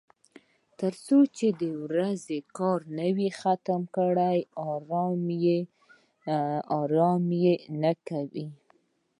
تر څو یې د ورځې کار نه وای ختم کړی ارام یې نه کاوه.